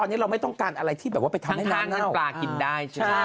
พอไหนเราไม่ต้องการอะไรที่แบบว่าไปทำให้งานเหน้า